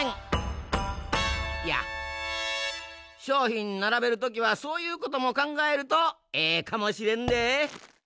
しょうひんならべるときはそういうこともかんがえるとええかもしれんで。